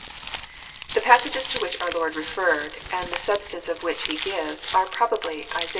The passages to which our Lord referred, and the substance of which He gives, are probably Isai.